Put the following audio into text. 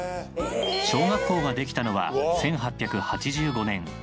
小学校ができたのは１８８５年。